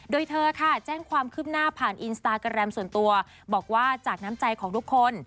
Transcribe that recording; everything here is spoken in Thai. โดยเธอค่ะแจ้งความคืบหน้าผ่านอินสตาแกรมส่วนตัวบอกว่าจากน้ำใจของทุกคน